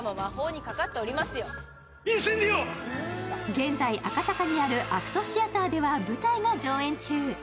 現在、赤坂にあるＡＣＴシアターでは、舞台が上演中。